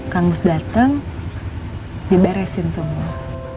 kang mus dateng diberesin semua